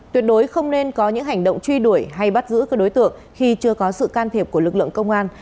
tuyệt đối không nên có những hành động truy đuổi hay bắt giữ các đối tượng khi chưa có sự can thiệp của lực lượng công an